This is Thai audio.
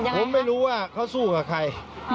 ผมไม่รู้ว่าเขาสู้กับใคร